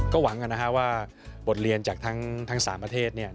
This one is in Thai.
ก็หวังว่าบทเรียนจากทั้งสามประเทศ